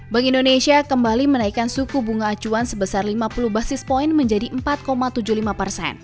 bank indonesia kembali menaikkan suku bunga acuan sebesar lima puluh basis point menjadi empat tujuh puluh lima persen